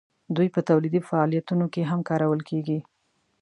دوی په تولیدي فعالیتونو کې هم کارول کیږي.